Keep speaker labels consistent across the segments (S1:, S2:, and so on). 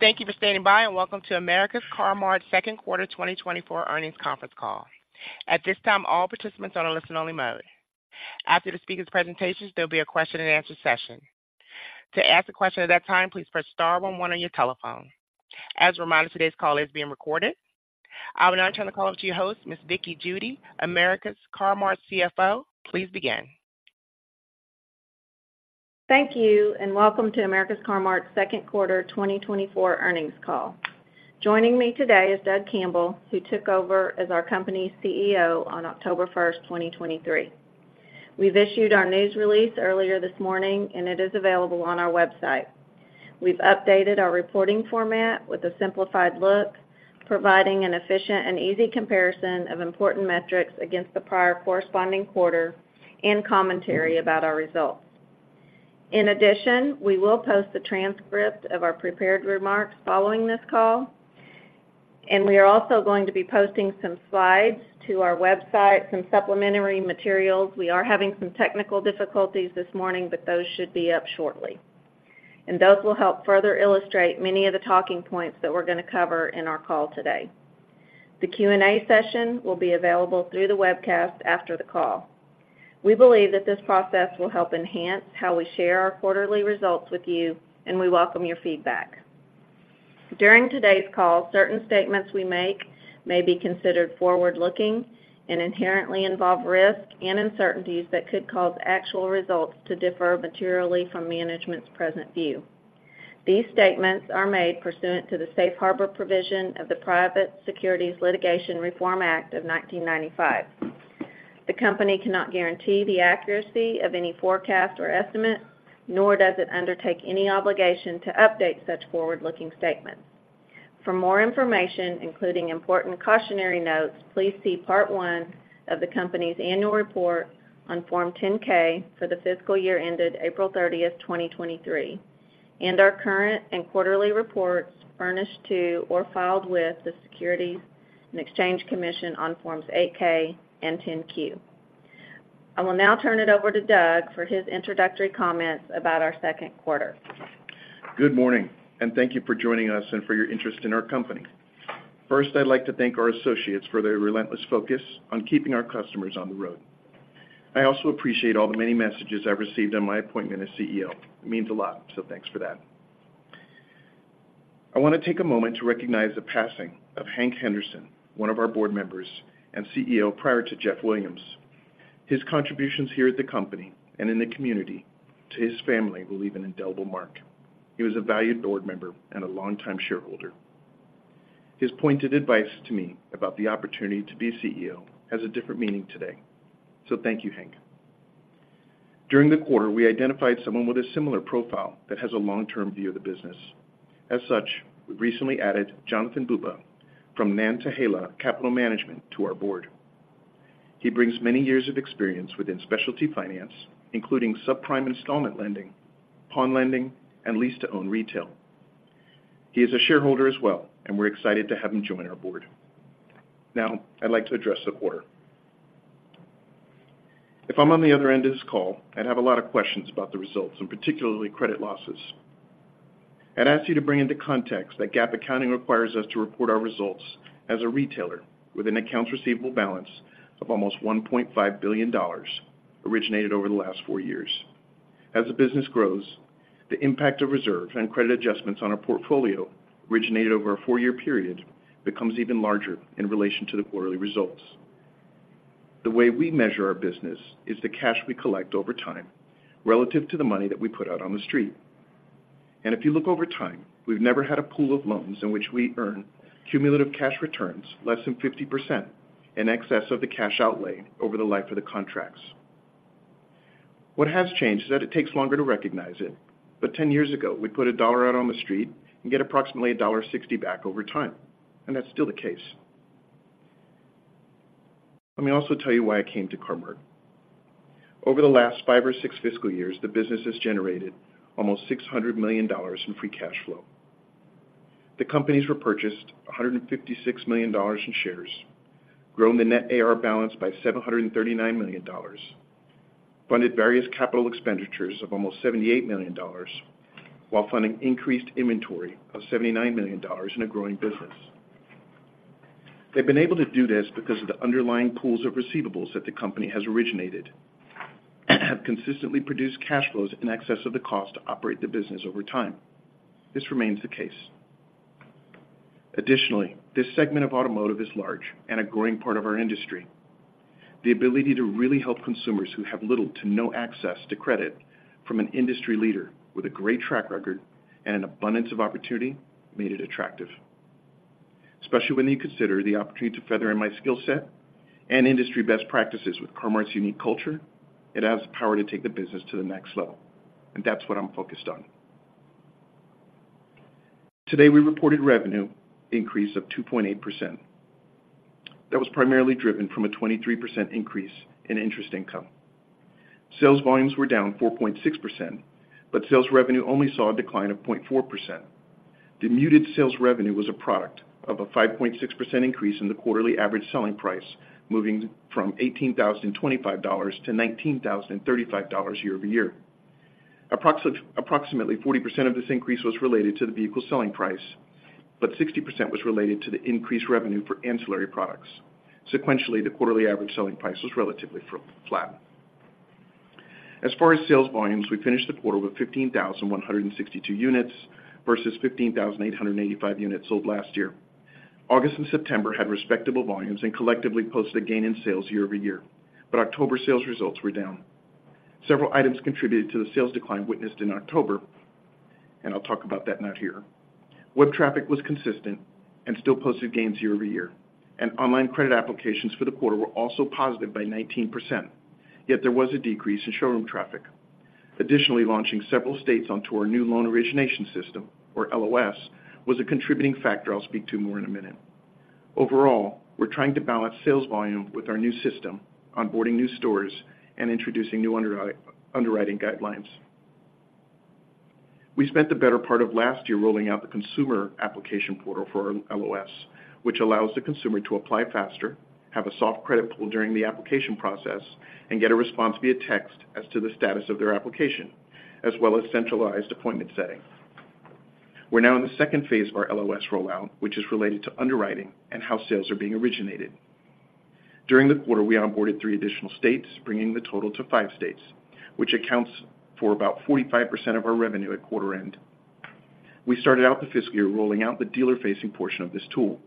S1: Thank you for standing by, and welcome to America's Car-Mart second quarter 2024 earnings conference call. At this time, all participants are on a listen-only mode. After the speaker's presentations, there'll be a question-and-answer session. To ask a question at that time, please press star one one on your telephone. As a reminder, today's call is being recorded. I will now turn the call to your host, Ms. Vickie Judy, America's Car-Mart's CFO. Please begin.
S2: Thank you, and welcome to America's Car-Mart second quarter 2024 earnings call. Joining me today is Doug Campbell, who took over as our company's CEO on October 1st, 2023. We've issued our news release earlier this morning, and it is available on our website. We've updated our reporting format with a simplified look, providing an efficient and easy comparison of important metrics against the prior corresponding quarter and commentary about our results. In addition, we will post the transcript of our prepared remarks following this call, and we are also going to be posting some slides to our website, some supplementary materials. We are having some technical difficulties this morning, but those should be up shortly, and those will help further illustrate many of the talking points that we're gonna cover in our call today. The Q&A session will be available through the webcast after the call. We believe that this process will help enhance how we share our quarterly results with you, and we welcome your feedback. During today's call, certain statements we make may be considered forward-looking and inherently involve risks and uncertainties that could cause actual results to differ materially from management's present view. These statements are made pursuant to the Safe Harbor provision of the Private Securities Litigation Reform Act of 1995. The company cannot guarantee the accuracy of any forecast or estimate, nor does it undertake any obligation to update such forward-looking statements. For more information, including important cautionary notes, please see Part One of the company's Annual Report on Form 10-K for the fiscal year ended April 30th, 2023, and our current and quarterly reports furnished to or filed with the Securities and Exchange Commission on Forms 8-K and 10-Q. I will now turn it over to Doug for his introductory comments about our second quarter.
S3: Good morning, and thank you for joining us and for your interest in our company. First, I'd like to thank our associates for their relentless focus on keeping our customers on the road. I also appreciate all the many messages I've received on my appointment as CEO. It means a lot, so thanks for that. I wanna take a moment to recognize the passing of Hank Henderson, one of our board members and CEO prior to Jeff Williams. His contributions here at the company and in the community, to his family, will leave an indelible mark. He was a valued board member and a longtime shareholder. His pointed advice to me about the opportunity to be a CEO has a different meaning today. So thank you, Hank. During the quarter, we identified someone with a similar profile that has a long-term view of the business. As such, we recently added Jonathan Bube from Nantahala Capital Management to our board. He brings many years of experience within specialty finance, including subprime installment lending, pawn lending, and lease-to-own retail. He is a shareholder as well, and we're excited to have him join our board. Now, I'd like to address the quarter. If I'm on the other end of this call, I'd have a lot of questions about the results, and particularly credit losses. I'd ask you to bring into context that GAAP accounting requires us to report our results as a retailer with an accounts receivable balance of almost $1.5 billion, originated over the last four years. As the business grows, the impact of reserves and credit adjustments on our portfolio, originated over a four-year period, becomes even larger in relation to the quarterly results. The way we measure our business is the cash we collect over time relative to the money that we put out on the street. If you look over time, we've never had a pool of loans in which we earn cumulative cash returns less than 50% in excess of the cash outlay over the life of the contracts. What has changed is that it takes longer to recognize it, but 10 years ago, we put a dollar out on the street and get approximately a dollar sixty back over time, and that's still the case. Let me also tell you why I came to Car-Mart. Over the last 5 or 6 fiscal years, the business has generated almost $600 million in free cash flow. The companies repurchased $156 million in shares, grown the net AR balance by $739 million, funded various capital expenditures of almost $78 million, while funding increased inventory of $79 million in a growing business. They've been able to do this because of the underlying pools of receivables that the company has originated and have consistently produced cash flows in excess of the cost to operate the business over time. This remains the case. Additionally, this segment of automotive is large and a growing part of our industry. The ability to really help consumers who have little to no access to credit from an industry leader with a great track record and an abundance of opportunity made it attractive. Especially when you consider the opportunity to further in my skill set and industry best practices with Car-Mart's unique culture, it has the power to take the business to the next level, and that's what I'm focused on. Today, we reported revenue increase of 2.8%. That was primarily driven from a 23% increase in interest income. Sales volumes were down 4.6%, but sales revenue only saw a decline of 0.4%. The muted sales revenue was a product of a 5.6% increase in the quarterly average selling price, moving from $18,025-$19,035 year over year. Approximately 40% of this increase was related to the vehicle selling price, but 60% was related to the increased revenue for ancillary products. Sequentially, the quarterly average selling price was relatively flat. As far as sales volumes, we finished the quarter with 15,162 units versus 15,885 units sold last year. August and September had respectable volumes and collectively posted a gain in sales year-over-year, but October sales results were down. Several items contributed to the sales decline witnessed in October, and I'll talk about that not here. Web traffic was consistent and still posted gains year-over-year, and online credit applications for the quarter were also positive by 19%, yet there was a decrease in showroom traffic. Additionally, launching several states onto our new loan origination system, or LOS, was a contributing factor I'll speak to more in a minute. Overall, we're trying to balance sales volume with our new system, onboarding new stores, and introducing new underwriting guidelines. We spent the better part of last year rolling out the consumer application portal for our LOS, which allows the consumer to apply faster, have a soft credit pull during the application process, and get a response via text as to the status of their application, as well as centralized appointment setting. We're now in the second phase of our LOS rollout, which is related to underwriting and how sales are being originated. During the quarter, we onboarded 3 additional states, bringing the total to 5 states, which accounts for about 45% of our revenue at quarter end. We started out the fiscal year rolling out the dealer-facing portion of this tool.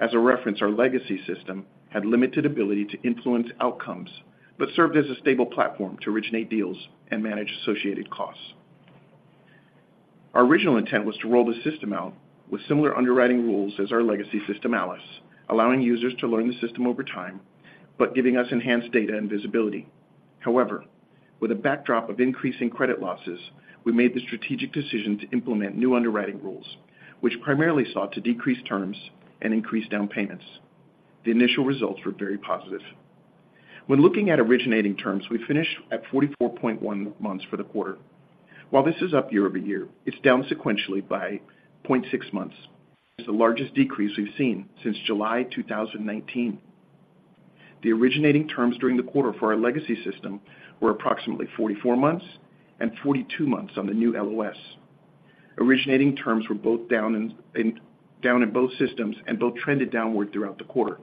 S3: As a reference, our legacy system had limited ability to influence outcomes, but served as a stable platform to originate deals and manage associated costs. Our original intent was to roll the system out with similar underwriting rules as our legacy system, ALIS, allowing users to learn the system over time, but giving us enhanced data and visibility. However, with a backdrop of increasing credit losses, we made the strategic decision to implement new underwriting rules, which primarily sought to decrease terms and increase down payments. The initial results were very positive. When looking at originating terms, we finished at 44.1 months for the quarter. While this is up year-over-year, it's down sequentially by 0.6 months. It's the largest decrease we've seen since July 2019. The originating terms during the quarter for our legacy system were approximately 44 months and 42 months on the new LOS. Originating terms were both down in both systems, and both trended downward throughout the quarter.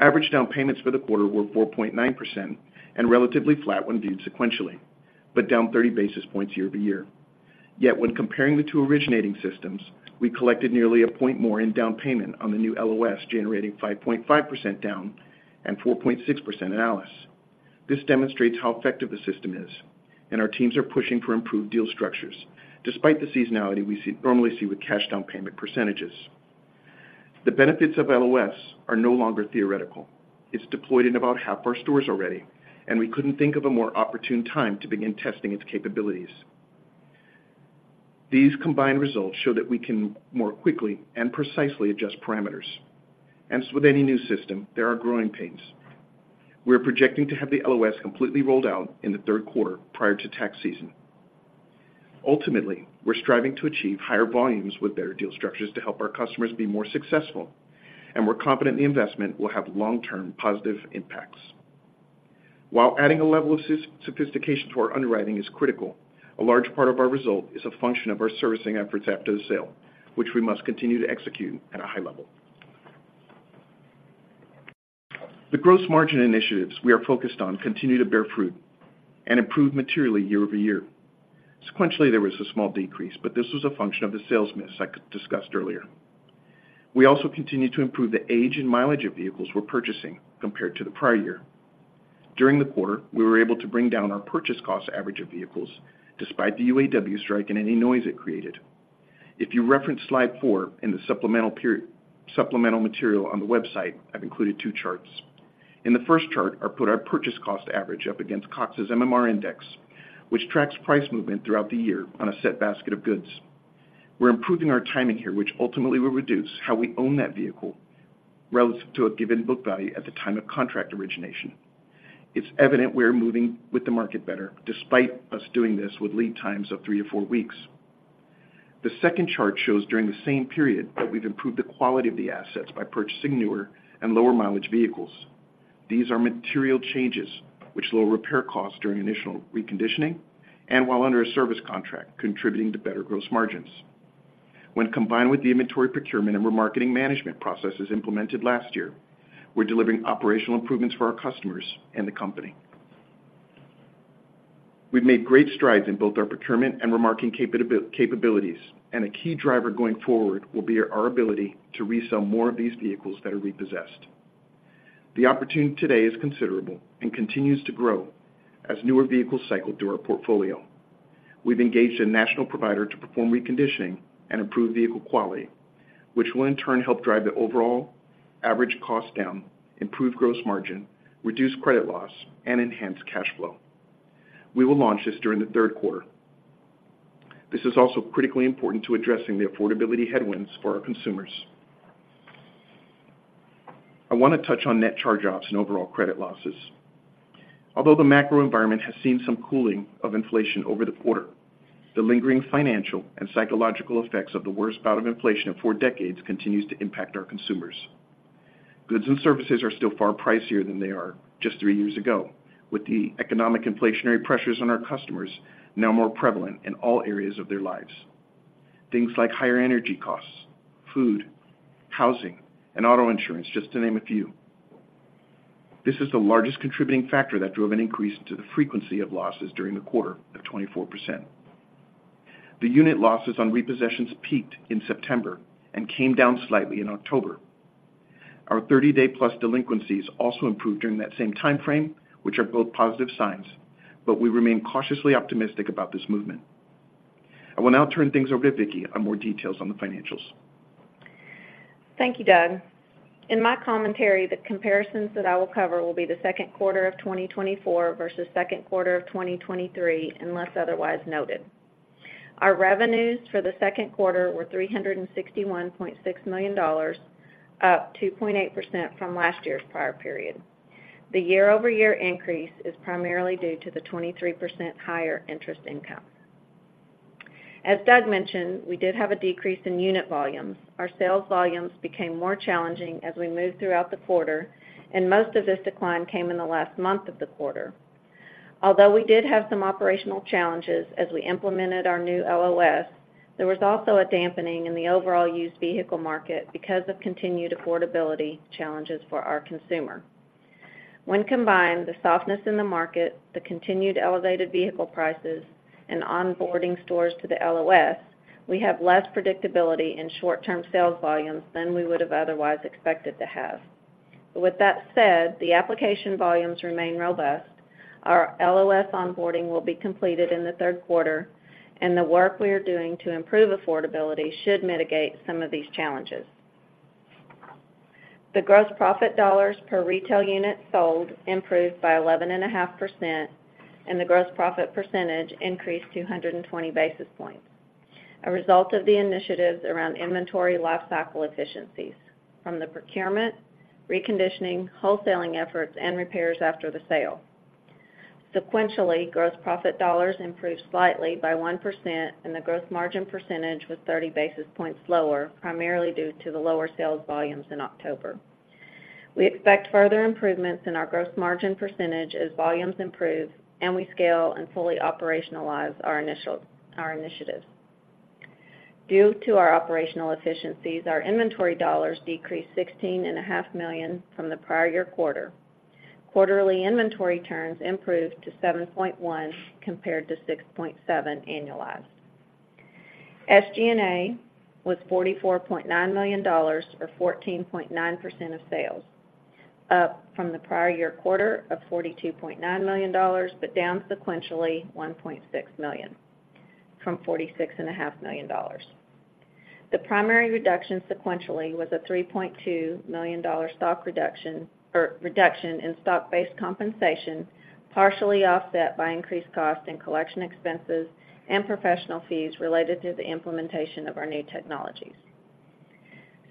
S3: Average down payments for the quarter were 4.9% and relatively flat when viewed sequentially, but down 30 basis points year-over-year. Yet, when comparing the two originating systems, we collected nearly a point more in down payment on the new LOS, generating 5.5% down and 4.6% in ALIS. This demonstrates how effective the system is, and our teams are pushing for improved deal structures despite the seasonality we normally see with cash down payment percentages. The benefits of LOS are no longer theoretical. It's deployed in about half our stores already, and we couldn't think of a more opportune time to begin testing its capabilities. These combined results show that we can more quickly and precisely adjust parameters, and as with any new system, there are growing pains. We are projecting to have the LOS completely rolled out in the third quarter prior to tax season. Ultimately, we're striving to achieve higher volumes with better deal structures to help our customers be more successful, and we're confident the investment will have long-term positive impacts. While adding a level of sophistication to our underwriting is critical, a large part of our result is a function of our servicing efforts after the sale, which we must continue to execute at a high level. The gross margin initiatives we are focused on continue to bear fruit and improve materially year-over-year. Sequentially, there was a small decrease, but this was a function of the sales miss I discussed earlier. We also continued to improve the age and mileage of vehicles we're purchasing compared to the prior year. During the quarter, we were able to bring down our purchase cost average of vehicles, despite the UAW strike and any noise it created. If you reference slide 4 in the supplemental material on the website, I've included two charts. In the first chart, I put our purchase cost average up against Cox's MMR Index, which tracks price movement throughout the year on a set basket of goods. We're improving our timing here, which ultimately will reduce how we own that vehicle relative to a given book value at the time of contract origination. It's evident we're moving with the market better, despite us doing this with lead times of 3-4 weeks. The second chart shows during the same period that we've improved the quality of the assets by purchasing newer and lower-mileage vehicles. These are material changes, which lower repair costs during initial reconditioning and while under a service contract, contributing to better gross margins. When combined with the inventory procurement and remarketing management processes implemented last year, we're delivering operational improvements for our customers and the company. We've made great strides in both our procurement and remarketing capabilities, and a key driver going forward will be our ability to resell more of these vehicles that are repossessed. The opportunity today is considerable and continues to grow as newer vehicles cycle through our portfolio. We've engaged a national provider to perform reconditioning and improve vehicle quality, which will, in turn, help drive the overall average cost down, improve gross margin, reduce credit loss, and enhance cash flow. We will launch this during the third quarter. This is also critically important to addressing the affordability headwinds for our consumers. I want to touch on net charge-offs and overall credit losses. Although the macro environment has seen some cooling of inflation over the quarter, the lingering financial and psychological effects of the worst bout of inflation in four decades continues to impact our consumers. Goods and services are still far pricier than they are just three years ago, with the economic inflationary pressures on our customers now more prevalent in all areas of their lives. Things like higher energy costs, food, housing, and auto insurance, just to name a few. This is the largest contributing factor that drove an increase to the frequency of losses during the quarter of 24%. The unit losses on repossessions peaked in September and came down slightly in October. Our 30-day plus delinquencies also improved during that same time frame, which are both positive signs, but we remain cautiously optimistic about this movement. I will now turn things over to Vickie on more details on the financials.
S2: Thank you, Doug. In my commentary, the comparisons that I will cover will be the second quarter of 2024 versus second quarter of 2023, unless otherwise noted. Our revenues for the second quarter were $361.6 million, up 2.8% from last year's prior period. The year-over-year increase is primarily due to the 23% higher interest income. As Doug mentioned, we did have a decrease in unit volumes. Our sales volumes became more challenging as we moved throughout the quarter, and most of this decline came in the last month of the quarter. Although we did have some operational challenges as we implemented our new LOS, there was also a dampening in the overall used vehicle market because of continued affordability challenges for our consumer. When combined, the softness in the market, the continued elevated vehicle prices, and onboarding stores to the LOS, we have less predictability in short-term sales volumes than we would have otherwise expected to have. With that said, the application volumes remain robust. Our LOS onboarding will be completed in the third quarter, and the work we are doing to improve affordability should mitigate some of these challenges. The gross profit dollars per retail unit sold improved by 11.5%, and the gross profit percentage increased to 220 basis points, a result of the initiatives around inventory lifecycle efficiencies from the procurement, reconditioning, wholesaling efforts, and repairs after the sale. Sequentially, gross profit dollars improved slightly by 1%, and the gross margin percentage was 30 basis points lower, primarily due to the lower sales volumes in October. We expect further improvements in our gross margin percentage as volumes improve and we scale and fully operationalize our initiatives. Due to our operational efficiencies, our inventory dollars decreased $16.5 million from the prior year quarter. Quarterly inventory turns improved to 7.1, compared to 6.7 annualized. SG&A was $44.9 million, or 14.9% of sales, up from the prior year quarter of $42.9 million, but down sequentially $1.6 million from $46.5 million. The primary reduction sequentially was a $3.2 million reduction in stock-based compensation, partially offset by increased cost and collection expenses and professional fees related to the implementation of our new technologies.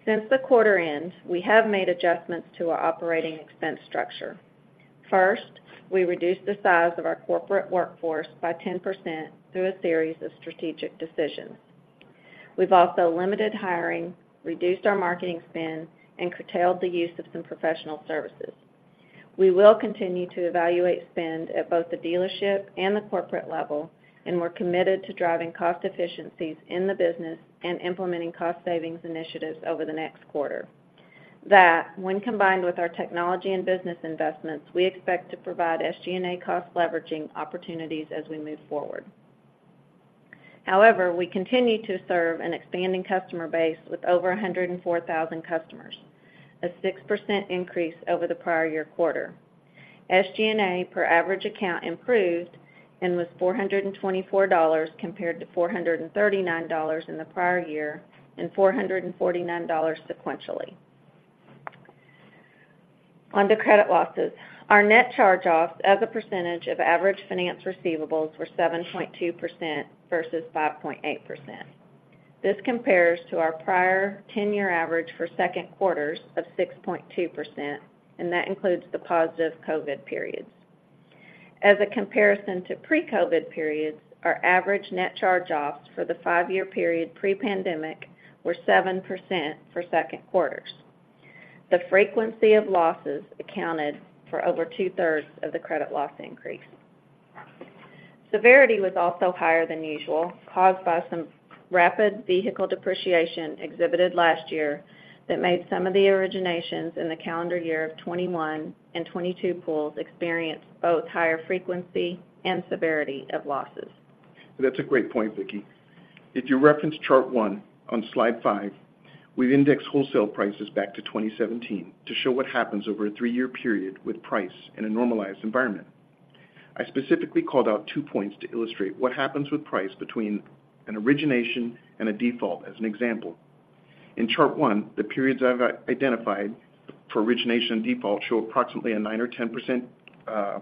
S2: Since the quarter end, we have made adjustments to our operating expense structure. First, we reduced the size of our corporate workforce by 10% through a series of strategic decisions. We've also limited hiring, reduced our marketing spend, and curtailed the use of some professional services. We will continue to evaluate spend at both the dealership and the corporate level, and we're committed to driving cost efficiencies in the business and implementing cost savings initiatives over the next quarter. That, when combined with our technology and business investments, we expect to provide SG&A cost leveraging opportunities as we move forward. However, we continue to serve an expanding customer base with over 104,000 customers, a 6% increase over the prior-year quarter. SG&A per average account improved and was $424, compared to $439 in the prior year and $449 sequentially. On to credit losses. Our net charge-offs as a percentage of average finance receivables were 7.2% versus 5.8%. This compares to our prior ten-year average for second quarters of 6.2%, and that includes the positive COVID periods. As a comparison to pre-COVID periods, our average net charge-offs for the five-year period pre-pandemic were 7% for second quarters. The frequency of losses accounted for over two-thirds of the credit loss increase. Severity was also higher than usual, caused by some rapid vehicle depreciation exhibited last year that made some of the originations in the calendar year of 2021 and 2022 pools experience both higher frequency and severity of losses.
S3: That's a great point, Vickie. If you reference chart one on slide five, we've indexed wholesale prices back to 2017 to show what happens over a three-year period with price in a normalized environment. I specifically called out two points to illustrate what happens with price between an origination and a default as an example. In chart one, the periods I've identified for origination and default show approximately a 9% or 10%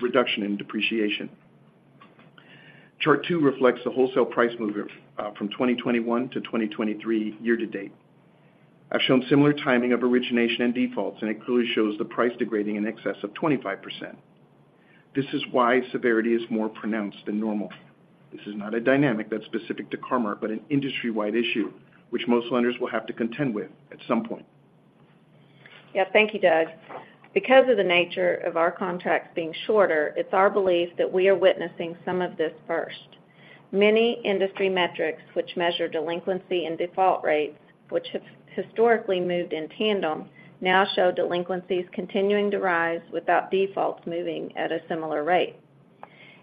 S3: reduction in depreciation. Chart two reflects the wholesale price movement from 2021-2023 year to date. I've shown similar timing of origination and defaults, and it clearly shows the price degrading in excess of 25%.... This is why severity is more pronounced than normal. This is not a dynamic that's specific to Car-Mart, but an industry-wide issue, which most lenders will have to contend with at some point.
S2: Yeah, thank you, Doug. Because of the nature of our contracts being shorter, it's our belief that we are witnessing some of this first. Many industry metrics, which measure delinquency and default rates, which have historically moved in tandem, now show delinquencies continuing to rise without defaults moving at a similar rate.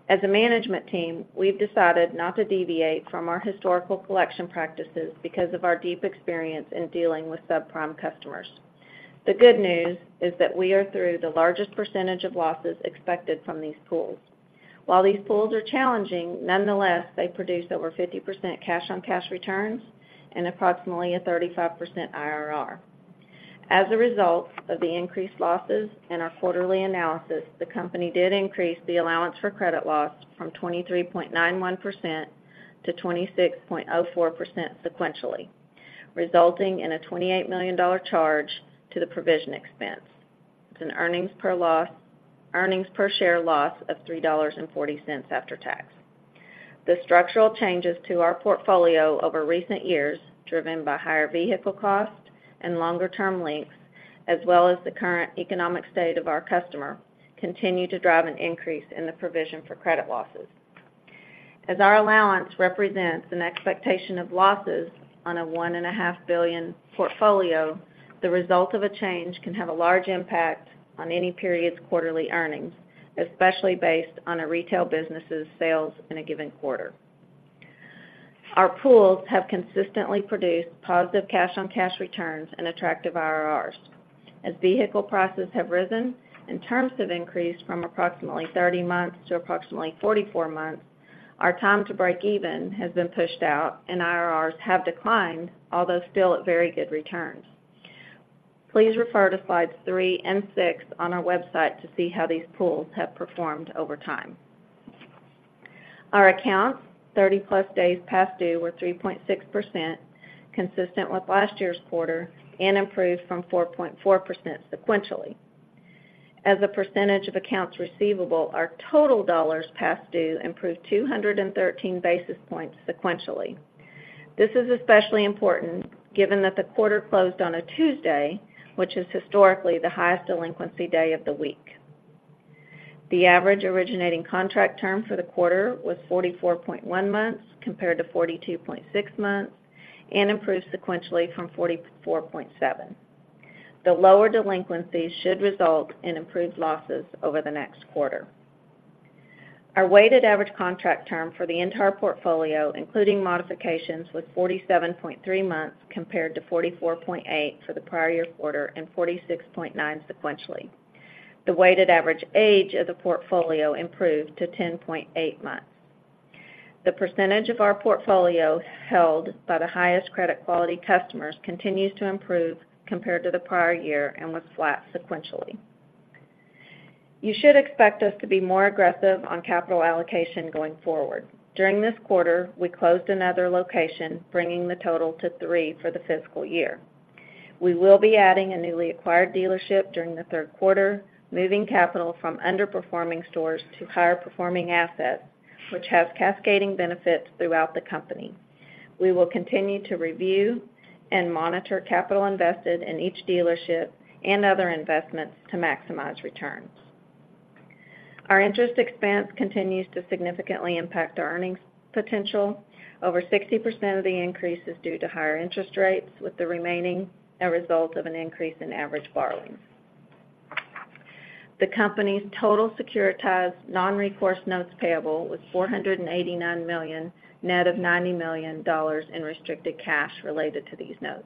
S2: As a management team, we've decided not to deviate from our historical collection practices because of our deep experience in dealing with subprime customers. The good news is that we are through the largest percentage of losses expected from these pools. While these pools are challenging, nonetheless, they produce over 50% cash-on-cash returns and approximately a 35% IRR. As a result of the increased losses and our quarterly analysis, the company did increase the allowance for credit loss from 23.91%-26.04% sequentially, resulting in a $28 million charge to the provision expense. It's an earnings per share loss of $3.40 after tax. The structural changes to our portfolio over recent years, driven by higher vehicle costs and longer term lengths, as well as the current economic state of our customer, continue to drive an increase in the provision for credit losses. As our allowance represents an expectation of losses on a $1.5 billion portfolio, the result of a change can have a large impact on any period's quarterly earnings, especially based on a retail business's sales in a given quarter. Our pools have consistently produced positive cash-on-cash returns and attractive IRRs. As vehicle prices have risen and terms have increased from approximately 30 months to approximately 44 months, our time to break even has been pushed out and IRRs have declined, although still at very good returns. Please refer to slides 3 and 6 on our website to see how these pools have performed over time. Our accounts, 30+ days past due, were 3.6%, consistent with last year's quarter, and improved from 4.4% sequentially. As a percentage of accounts receivable, our total dollars past due improved 213 basis points sequentially. This is especially important given that the quarter closed on a Tuesday, which is historically the highest delinquency day of the week. The average originating contract term for the quarter was 44.1 months, compared to 42.6 months, and improved sequentially from 44.7. The lower delinquencies should result in improved losses over the next quarter. Our weighted average contract term for the entire portfolio, including modifications, was 47.3 months, compared to 44.8 for the prior year quarter and 46.9 sequentially. The weighted average age of the portfolio improved to 10.8 months. The percentage of our portfolio held by the highest credit quality customers continues to improve compared to the prior year and was flat sequentially. You should expect us to be more aggressive on capital allocation going forward. During this quarter, we closed another location, bringing the total to three for the fiscal year. We will be adding a newly acquired dealership during the third quarter, moving capital from underperforming stores to higher-performing assets, which has cascading benefits throughout the company. We will continue to review and monitor capital invested in each dealership and other investments to maximize returns. Our interest expense continues to significantly impact our earnings potential. Over 60% of the increase is due to higher interest rates, with the remaining a result of an increase in average borrowing. The company's total securitized non-recourse notes payable was $489 million, net of $90 million in restricted cash related to these notes.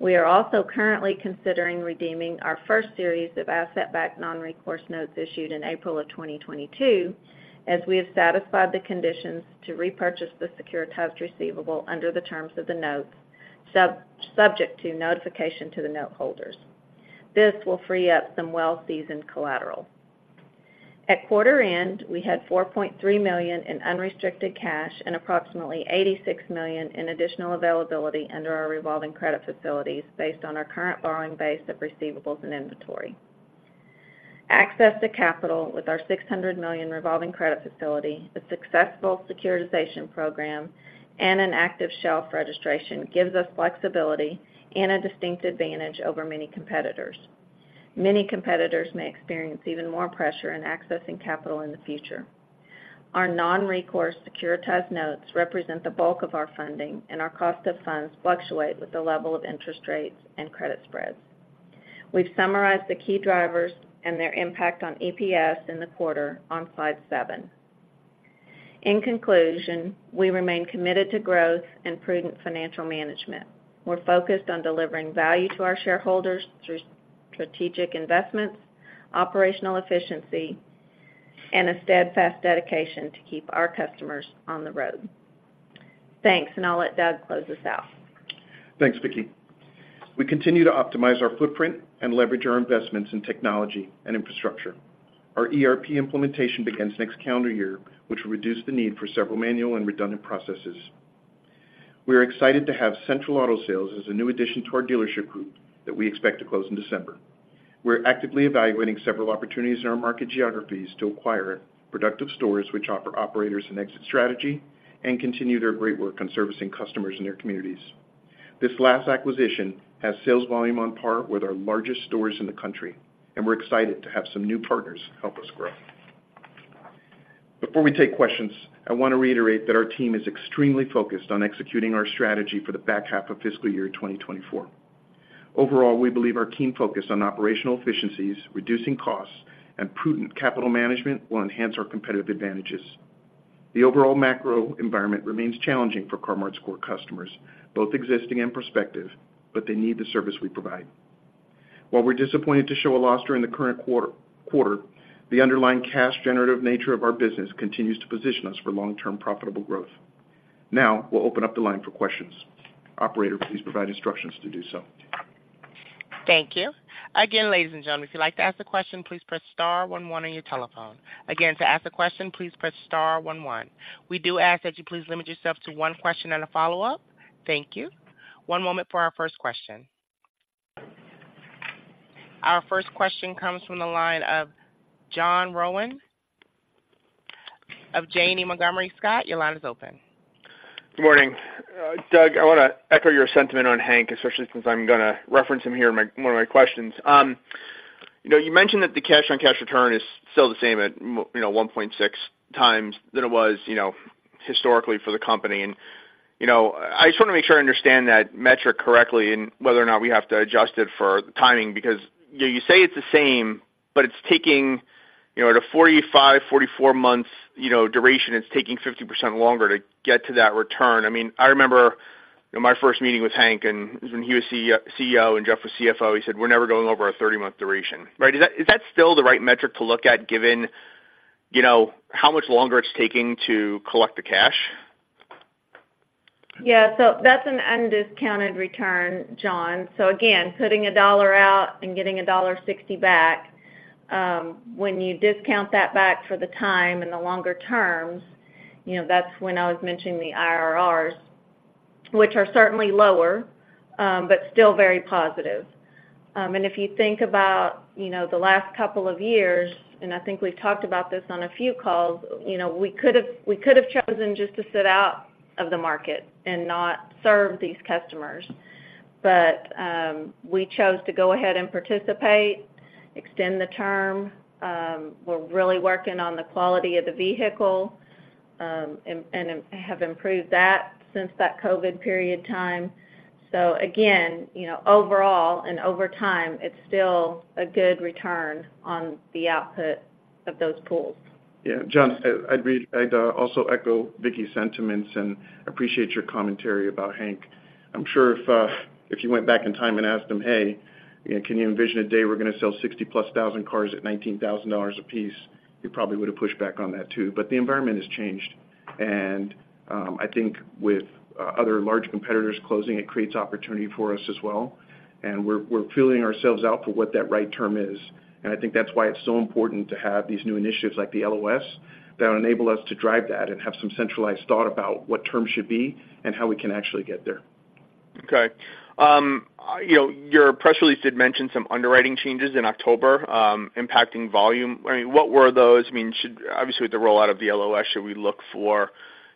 S2: We are also currently considering redeeming our first series of asset-backed, non-recourse notes issued in April of 2022, as we have satisfied the conditions to repurchase the securitized receivable under the terms of the notes, subject to notification to the noteholders. This will free up some well-seasoned collateral. At quarter end, we had $4.3 million in unrestricted cash and approximately $86 million in additional availability under our revolving credit facilities, based on our current borrowing base of receivables and inventory. Access to capital with our $600 million revolving credit facility, a successful securitization program, and an active shelf registration gives us flexibility and a distinct advantage over many competitors. Many competitors may experience even more pressure in accessing capital in the future. Our non-recourse securitized notes represent the bulk of our funding, and our cost of funds fluctuate with the level of interest rates and credit spreads. We've summarized the key drivers and their impact on EPS in the quarter on slide seven. In conclusion, we remain committed to growth and prudent financial management. We're focused on delivering value to our shareholders through strategic investments, operational efficiency, and a steadfast dedication to keep our customers on the road. Thanks, and I'll let Doug close us out.
S3: Thanks, Vickie. We continue to optimize our footprint and leverage our investments in technology and infrastructure. Our ERP implementation begins next calendar year, which will reduce the need for several manual and redundant processes.... We are excited to have Central Auto Sales as a new addition to our dealership group that we expect to close in December. We're actively evaluating several opportunities in our market geographies to acquire productive stores, which offer operators an exit strategy and continue their great work on servicing customers in their communities. This last acquisition has sales volume on par with our largest stores in the country, and we're excited to have some new partners help us grow. Before we take questions, I want to reiterate that our team is extremely focused on executing our strategy for the back half of fiscal year 2024. Overall, we believe our team focus on operational efficiencies, reducing costs, and prudent capital management will enhance our competitive advantages. The overall macro environment remains challenging for Car-Mart's core customers, both existing and prospective, but they need the service we provide. While we're disappointed to show a loss during the current quarter, the underlying cash-generative nature of our business continues to position us for long-term profitable growth. Now, we'll open up the line for questions. Operator, please provide instructions to do so.
S1: Thank you. Again, ladies and gentlemen, if you'd like to ask a question, please press star one one on your telephone. Again, to ask a question, please press star one one. We do ask that you please limit yourself to one question and a follow-up. Thank you. One moment for our first question. Our first question comes from the line of John Rowan of Janney Montgomery Scott. Your line is open.
S4: Good morning. Doug, I want to echo your sentiment on Hank, especially since I'm going to reference him here in one of my questions. You know, you mentioned that the cash-on-cash return is still the same at, you know, 1.6 times than it was, you know, historically for the company. And, you know, I just want to make sure I understand that metric correctly and whether or not we have to adjust it for the timing, because you say it's the same, but it's taking, you know, at a 45-44 months duration, it's taking 50% longer to get to that return. I mean, I remember, you know, my first meeting with Hank, and when he was CEO and Jeff was CFO, he said, "We're never going over a 30-month duration." Right, is that, is that still the right metric to look at, given, you know, how much longer it's taking to collect the cash?
S2: Yeah, so that's an undiscounted return, John. So again, putting $1 out and getting $1.60 back, when you discount that back for the time and the longer terms, you know, that's when I was mentioning the IRRs, which are certainly lower, but still very positive. And if you think about, you know, the last couple of years, and I think we've talked about this on a few calls, you know, we could have, we could have chosen just to sit out of the market and not serve these customers. But, we chose to go ahead and participate, extend the term. We're really working on the quality of the vehicle, and, and have improved that since that COVID period time. So again, you know, overall and over time, it's still a good return on the output of those pools.
S3: Yeah, John, I'd also echo Vickie's sentiments and appreciate your commentary about Hank. I'm sure if you went back in time and asked him, "Hey, you know, can you envision a day we're going to sell 60,000+ cars at $19,000 apiece?" He probably would have pushed back on that, too. But the environment has changed, and I think with other large competitors closing, it creates opportunity for us as well, and we're feeling ourselves out for what that right term is. And I think that's why it's so important to have these new initiatives like the LOS that enable us to drive that and have some centralized thought about what terms should be and how we can actually get there.
S4: Okay. You know, your press release did mention some underwriting changes in October, impacting volume. I mean, what were those? I mean, should, obviously, with the rollout of the LOS, should we look for,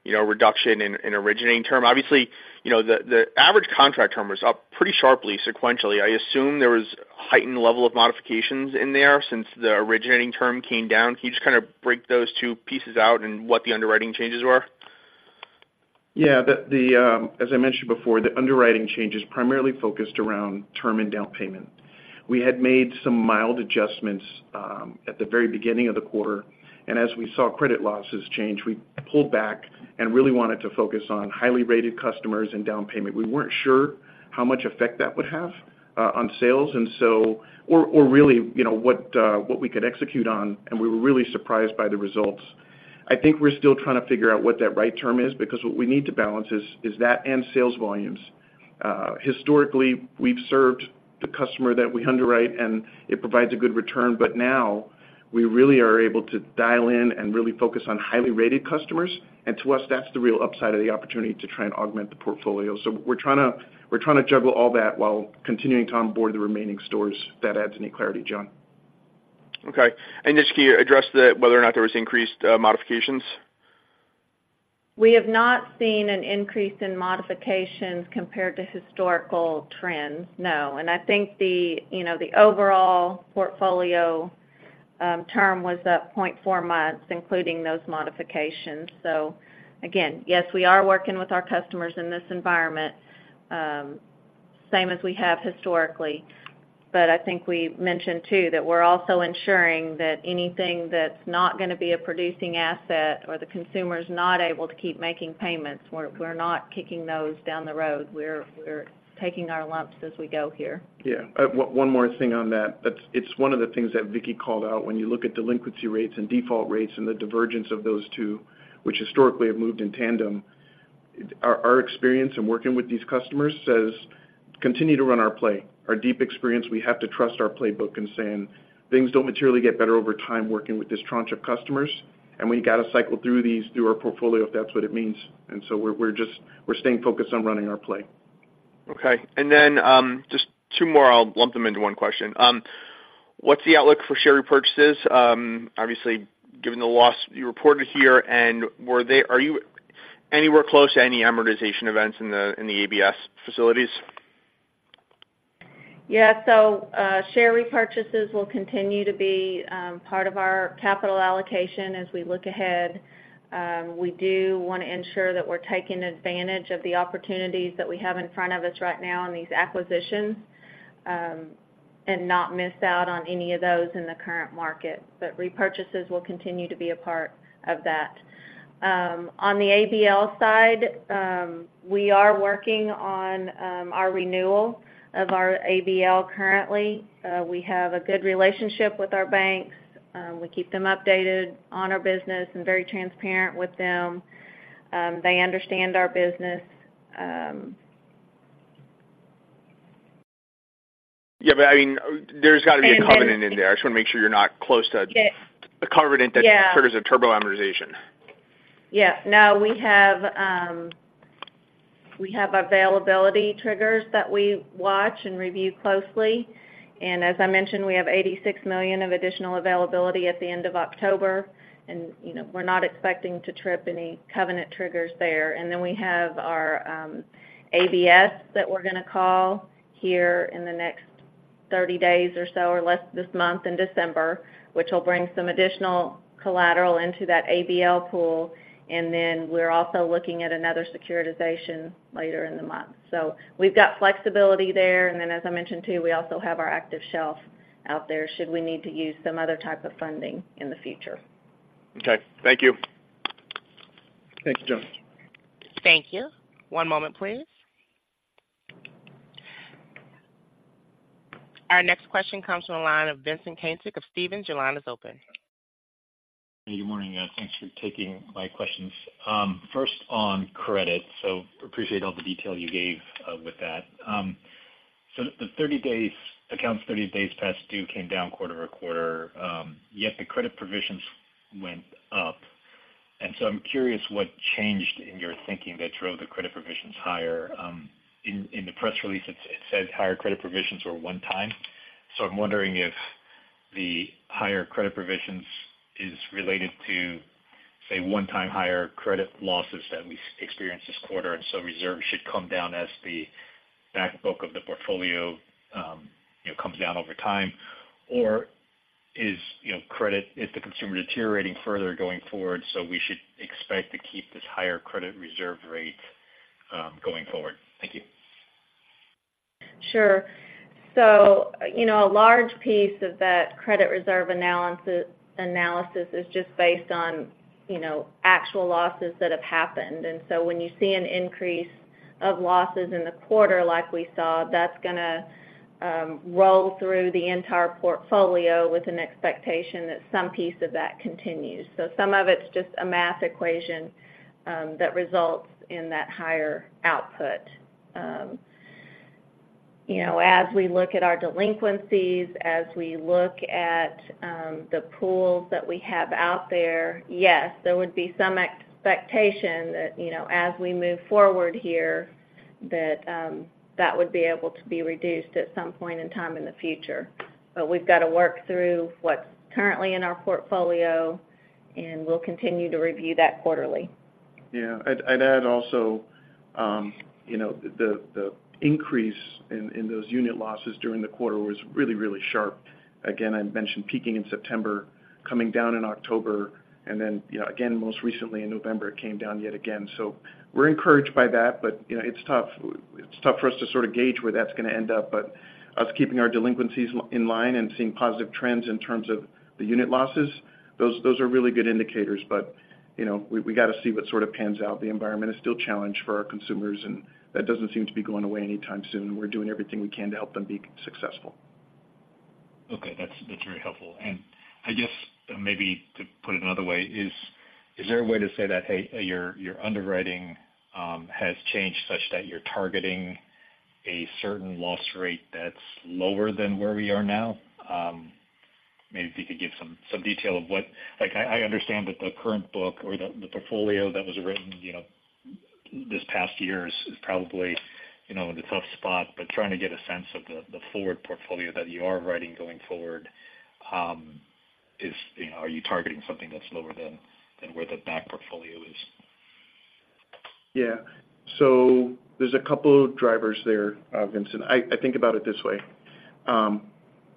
S4: you know, a reduction in originating term? Obviously, you know, the average contract term was up pretty sharply sequentially. I assume there was heightened level of modifications in there since the originating term came down. Can you just kind of break those two pieces out and what the underwriting changes were?
S3: Yeah, as I mentioned before, the underwriting changes primarily focused around term and down payment. We had made some mild adjustments at the very beginning of the quarter, and as we saw credit losses change, we pulled back and really wanted to focus on highly-rated customers and down payment. We weren't sure how much effect that would have on sales, or really, you know, what we could execute on, and we were really surprised by the results. I think we're still trying to figure out what that right term is, because what we need to balance is that and sales volumes. Historically, we've served the customer that we underwrite, and it provides a good return, but now we really are able to dial in and really focus on highly rated customers. To us, that's the real upside of the opportunity to try and augment the portfolio. So we're trying to juggle all that while continuing to onboard the remaining stores, if that adds any clarity, John.
S4: Okay. And just, can you address whether or not there was increased modifications?
S2: We have not seen an increase in modifications compared to historical trends, no. I think the, you know, the overall portfolio term was up 0.4 months, including those modifications. So again, yes, we are working with our customers in this environment, same as we have historically. But I think we mentioned, too, that we're also ensuring that anything that's not going to be a producing asset or the consumer's not able to keep making payments, we're not kicking those down the road. We're taking our lumps as we go here.
S3: Yeah. One more thing on that. That's - it's one of the things that Vickie called out. When you look at delinquency rates and default rates and the divergence of those two, which historically have moved in tandem, our experience in working with these customers says continue to run our play, our deep experience. We have to trust our playbook in saying, things don't materially get better over time working with this tranche of customers, and we got to cycle through these through our portfolio, if that's what it means. And so we're just - we're staying focused on running our play.
S4: Okay. And then, just two more. I'll lump them into one question. What's the outlook for share repurchases? Obviously, given the loss you reported here, and were they-- are you anywhere close to any amortization events in the, in the ABS facilities?
S2: Yeah. So, share repurchases will continue to be part of our capital allocation as we look ahead. We do want to ensure that we're taking advantage of the opportunities that we have in front of us right now in these acquisitions, and not miss out on any of those in the current market. But repurchases will continue to be a part of that. On the ABL side, we are working on our renewal of our ABL currently. We have a good relationship with our banks. We keep them updated on our business and very transparent with them. They understand our business.
S4: Yeah, but I mean, there's got to be a covenant in there.
S2: And, and-
S4: I just want to make sure you're not close to-
S2: Yes...
S4: a covenant that-
S2: Yeah
S4: triggers a turbo amortization.
S2: Yeah. No, we have availability triggers that we watch and review closely. And as I mentioned, we have $86 million of additional availability at the end of October, and, you know, we're not expecting to trip any covenant triggers there. And then we have our ABS that we're going to call here in the next 30 days or so, or less this month in December, which will bring some additional collateral into that ABL pool. And then we're also looking at another securitization later in the month. So we've got flexibility there. And then, as I mentioned, too, we also have our active shelf out there, should we need to use some other type of funding in the future.
S4: Okay, thank you.
S3: Thanks, John.
S1: Thank you. One moment, please. Our next question comes from the line of Vincent Caintic of Stephens Inc. Your line is open.
S5: Hey, good morning, thanks for taking my questions. First on credit, so appreciate all the detail you gave with that. So the 30 days, accounts 30 days past due came down quarter-over-quarter, yet the credit provisions went up. And so I'm curious what changed in your thinking that drove the credit provisions higher, in the press release, it said higher credit provisions were one-time. So I'm wondering if the higher credit provisions is related to, say, one-time higher credit losses that we experienced this quarter, and so reserves should come down as the back book of the portfolio, you know, comes down over time. Or is, you know, credit, is the consumer deteriorating further going forward, so we should expect to keep this higher credit reserve rate, going forward? Thank you.
S2: Sure. So, you know, a large piece of that credit reserve analysis is just based on, you know, actual losses that have happened. And so when you see an increase of losses in the quarter like we saw, that's going to roll through the entire portfolio with an expectation that some piece of that continues. So some of it's just a math equation that results in that higher output. You know, as we look at our delinquencies, as we look at the pools that we have out there, yes, there would be some expectation that, you know, as we move forward here, that that would be able to be reduced at some point in time in the future. But we've got to work through what's currently in our portfolio, and we'll continue to review that quarterly.
S3: Yeah. I'd add also, you know, the increase in those unit losses during the quarter was really, really sharp. Again, I mentioned peaking in September, coming down in October, and then, you know, again, most recently in November, it came down yet again. So we're encouraged by that, but, you know, it's tough. It's tough for us to sort of gauge where that's going to end up. But us keeping our delinquencies in line and seeing positive trends in terms of the unit losses, those are really good indicators. But, you know, we got to see what sort of pans out. The environment is still challenged for our consumers, and that doesn't seem to be going away anytime soon. We're doing everything we can to help them be successful.
S5: Okay. That's very helpful. And I guess maybe to put it another way, is there a way to say that, hey, your underwriting has changed such that you're targeting a certain loss rate that's lower than where we are now? Maybe if you could give some detail of what—like, I understand that the current book or the portfolio that was written, you know, this past year is probably, you know, in a tough spot, but trying to get a sense of the forward portfolio that you are writing going forward, you know, are you targeting something that's lower than where the back portfolio is?
S3: Yeah. So there's a couple of drivers there, Vincent. I think about it this way.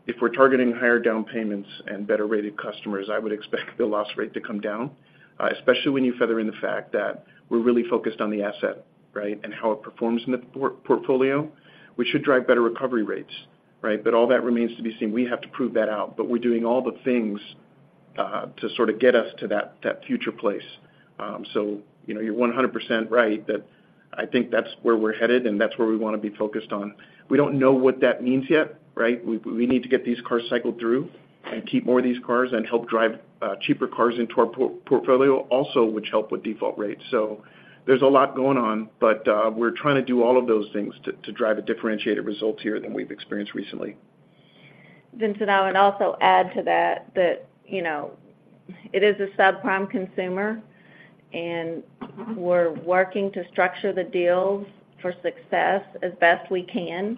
S3: If we're targeting higher down payments and better-rated customers, I would expect the loss rate to come down, especially when you feather in the fact that we're really focused on the asset, right? And how it performs in the portfolio, which should drive better recovery rates, right? But all that remains to be seen. We have to prove that out, but we're doing all the things to sort of get us to that future place. So you know, you're 100% right, that I think that's where we're headed and that's where we want to be focused on. We don't know what that means yet, right? We need to get these cars cycled through and keep more of these cars and help drive cheaper cars into our portfolio also, which help with default rates. So there's a lot going on, but we're trying to do all of those things to drive a differentiated result here than we've experienced recently....
S2: Vincent, I would also add to that, that, you know, it is a subprime consumer, and we're working to structure the deals for success as best we can.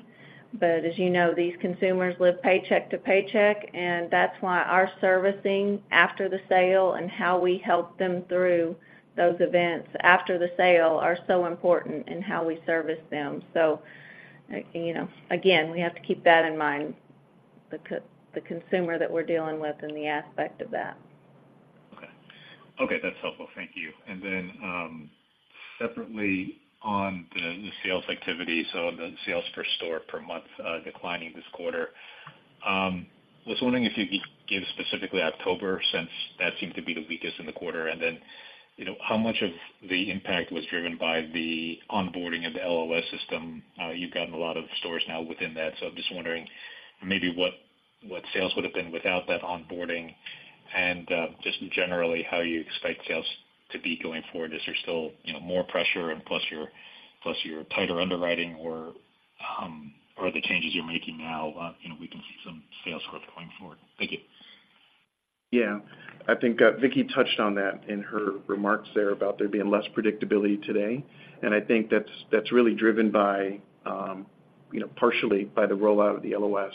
S2: But as you know, these consumers live paycheck to paycheck, and that's why our servicing after the sale and how we help them through those events after the sale are so important in how we service them. So, you know, again, we have to keep that in mind, the consumer that we're dealing with and the aspect of that.
S5: Okay. Okay, that's helpful. Thank you. And then, separately on the sales activity, so the sales per store per month declining this quarter. I was wondering if you could give specifically October, since that seemed to be the weakest in the quarter, and then, you know, how much of the impact was driven by the onboarding of the LOS system? You've gotten a lot of stores now within that, so I'm just wondering maybe what sales would have been without that onboarding, and just generally, how you expect sales to be going forward. Is there still, you know, more pressure and plus your tighter underwriting, or are the changes you're making now, you know, we can see some sales growth going forward? Thank you.
S3: Yeah. I think, Vicki touched on that in her remarks there about there being less predictability today, and I think that's, that's really driven by, you know, partially by the rollout of the LOS.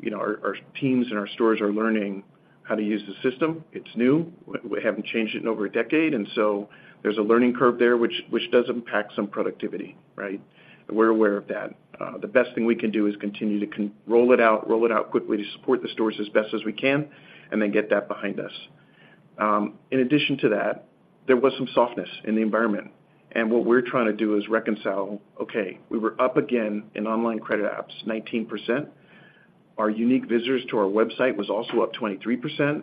S3: You know, our, our teams and our stores are learning how to use the system. It's new. We, we haven't changed it in over a decade, and so there's a learning curve there, which, which does impact some productivity, right? We're aware of that. The best thing we can do is continue to roll it out, roll it out quickly to support the stores as best as we can, and then get that behind us. In addition to that, there was some softness in the environment, and what we're trying to do is reconcile, okay, we were up again in online credit apps, 19%. Our unique visitors to our website was also up 23%.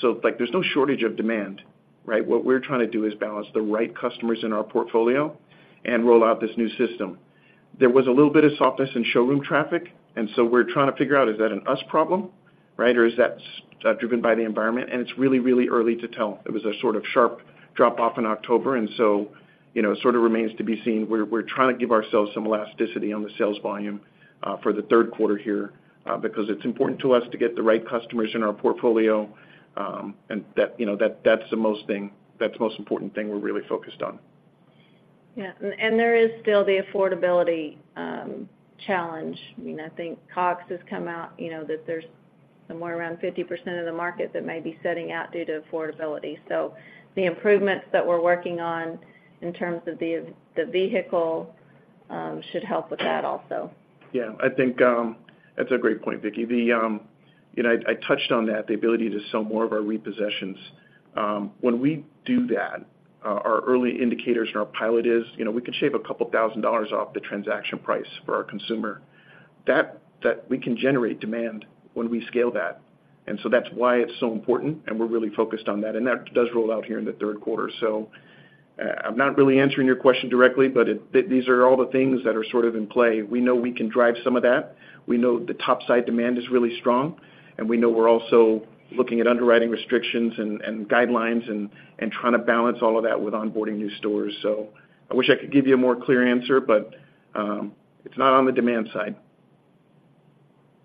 S3: So, like, there's no shortage of demand, right? What we're trying to do is balance the right customers in our portfolio and roll out this new system. There was a little bit of softness in showroom traffic, and so we're trying to figure out, is that an us problem, right? Or is that driven by the environment? And it's really, really early to tell. It was a sort of sharp drop-off in October, and so, you know, it sort of remains to be seen. We're, we're trying to give ourselves some elasticity on the sales volume, for the third quarter here, because it's important to us to get the right customers in our portfolio, and that, you know, that-that's the most thing, that's the most important thing we're really focused on.
S2: Yeah, and there is still the affordability challenge. I mean, I think Cox has come out, you know, that there's somewhere around 50% of the market that may be sitting out due to affordability. So the improvements that we're working on in terms of the vehicle should help with that also.
S3: Yeah, I think that's a great point, Vickie. The, you know, I, I touched on that, the ability to sell more of our repossessions. When we do that, our early indicators in our pilot is, you know, we can shave $2,000 off the transaction price for our consumer. That, that we can generate demand when we scale that. And so that's why it's so important, and we're really focused on that, and that does roll out here in the third quarter. So, I'm not really answering your question directly, but it- these are all the things that are sort of in play. We know we can drive some of that. We know the top-side demand is really strong, and we know we're also looking at underwriting restrictions and, and guidelines and trying to balance all of that with onboarding new stores. I wish I could give you a more clear answer, but it's not on the demand side.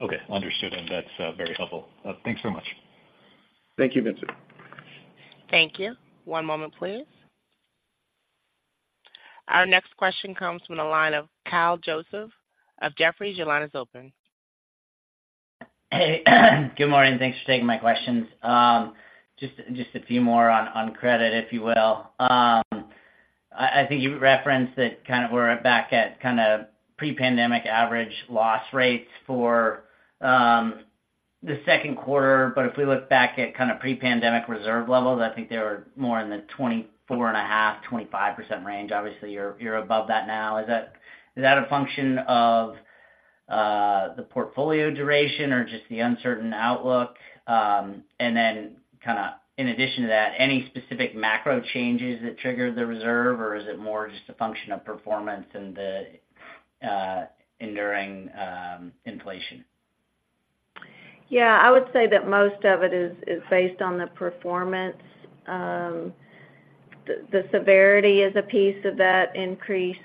S5: Okay, understood, and that's very helpful. Thanks so much.
S3: Thank you, Vincent.
S1: Thank you. One moment, please. Our next question comes from the line of Kyle Joseph of Jefferies. Your line is open.
S6: Hey, good morning. Thanks for taking my questions. Just a few more on credit, if you will. I think you referenced that kind of we're back at kind of pre-pandemic average loss rates for the second quarter. But if we look back at kind of pre-pandemic reserve levels, I think they were more in the 24.5%-25% range. Obviously, you're above that now. Is that a function of the portfolio duration or just the uncertain outlook? And then kind of in addition to that, any specific macro changes that triggered the reserve, or is it more just a function of performance and the enduring inflation?
S2: Yeah, I would say that most of it is based on the performance. The severity is a piece of that increased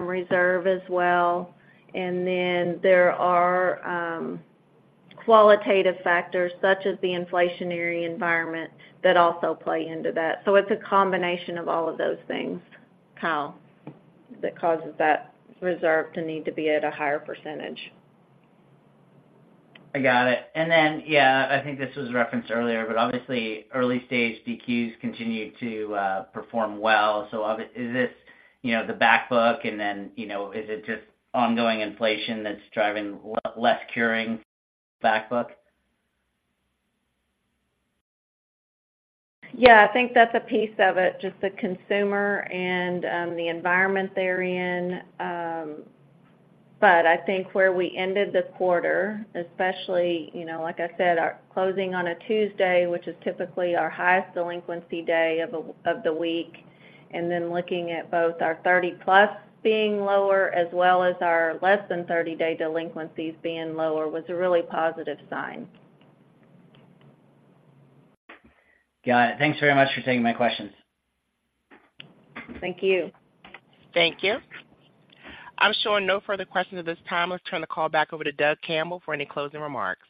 S2: reserve as well. And then there are qualitative factors, such as the inflationary environment, that also play into that. So it's a combination of all of those things, Kyle, that causes that reserve to need to be at a higher percentage.
S6: I got it. And then, yeah, I think this was referenced earlier, but obviously, early-stage DQs continue to perform well. So, is this, you know, the back book? And then, you know, is it just ongoing inflation that's driving less curing back book?
S2: Yeah, I think that's a piece of it, just the consumer and, the environment they're in. But I think where we ended the quarter, especially, you know, like I said, our closing on a Tuesday, which is typically our highest delinquency day of the week, and then looking at both our 30-plus being lower, as well as our less than 30-day delinquencies being lower, was a really positive sign.
S6: Got it. Thanks very much for taking my questions.
S2: Thank you.
S1: Thank you. I'm showing no further questions at this time. Let's turn the call back over to Doug Campbell for any closing remarks.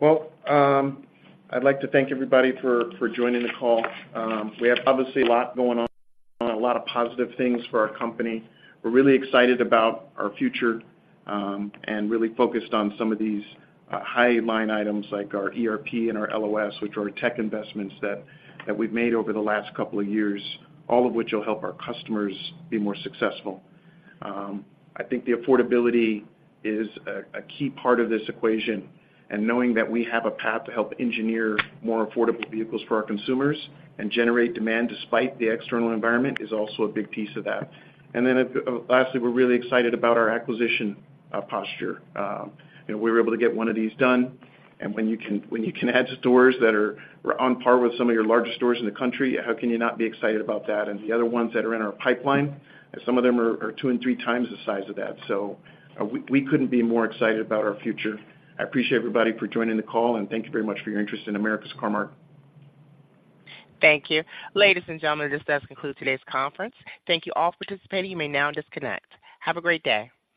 S3: Well, I'd like to thank everybody for joining the call. We have obviously a lot going on, a lot of positive things for our company. We're really excited about our future, and really focused on some of these high-line items like our ERP and our LOS, which are our tech investments that we've made over the last couple of years, all of which will help our customers be more successful. I think the affordability is a key part of this equation, and knowing that we have a path to help engineer more affordable vehicles for our consumers and generate demand despite the external environment, is also a big piece of that. And then, lastly, we're really excited about our acquisition posture. You know, we were able to get one of these done, and when you can add stores that are on par with some of your largest stores in the country, how can you not be excited about that? And the other ones that are in our pipeline, some of them are two and three times the size of that. So, we couldn't be more excited about our future. I appreciate everybody for joining the call, and thank you very much for your interest in America's Car-Mart.
S1: Thank you. Ladies and gentlemen, this does conclude today's conference. Thank you all for participating. You may now disconnect. Have a great day.